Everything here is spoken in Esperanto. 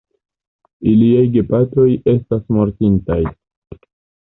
Iliaj gepatroj estas mortintaj.